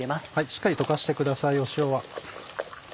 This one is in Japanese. しっかり溶かしてください塩は。